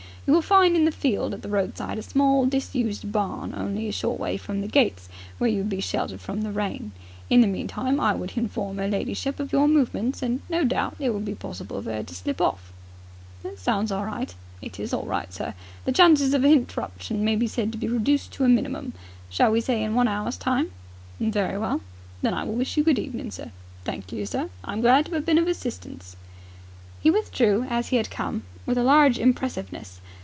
You will find in the field at the roadside a small disused barn only a short way from the gates, where you would be sheltered from the rain. In the meantime, I would hinform 'er ladyship of your movements, and no doubt it would be possible for 'er to slip off." "It sounds all right." "It is all right, sir. The chances of a hinterruption may be said to be reduced to a minimum. Shall we say in one hour's time?" "Very well." "Then I will wish you good evening, sir. Thank you, sir. I am glad to 'ave been of assistance." He withdrew as he had come, with a large impressiveness.